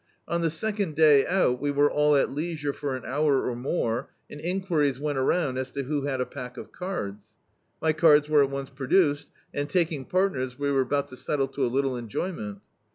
On the second day out we were all at leisure for an hour or more, and enquiries went around as to who had a pack of cards. My cards were at once produced and, taking parmers, we were about to settle to a little enjoyment.